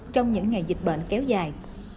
trong những ngày dịch bệnh kéo dài